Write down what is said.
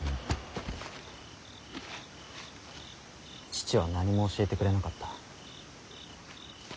父は何も教えてくれなかった。